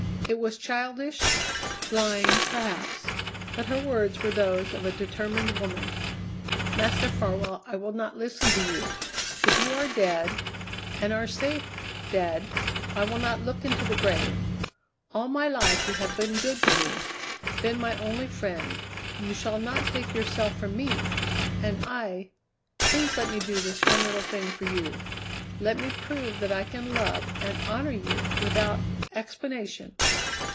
It was childish, blind perhaps, but her words were those of a determined woman. "Master Farwell, I will not listen to you. If you are dead, and are safe, dead, I will not look into the grave. All my life you have been good to me, been my only friend; you shall not take yourself from me! And I please let me do this one little thing for you let me prove that I can love and honour you without explanation!"